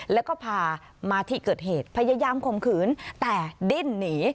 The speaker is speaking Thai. แล้วก็พามาที่เกิดเหตุพยายามข่มขืนแต่ดิ้นหนี